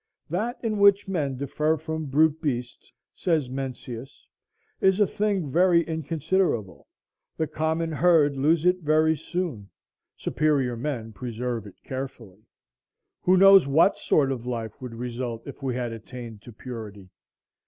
"That in which men differ from brute beasts," says Mencius, "is a thing very inconsiderable; the common herd lose it very soon; superior men preserve it carefully." Who knows what sort of life would result if we had attained to purity?